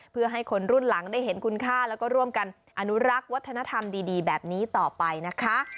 เพื่อให้คนรุ่นหลังได้เห็นคุณค่าแล้วก็ร่วมกันอนุรักษ์วัฒนธรรมดีแบบนี้ต่อไปนะคะ